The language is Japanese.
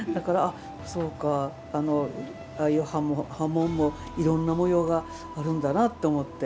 ああいう刃文も、いろんな模様があるんだなって思って。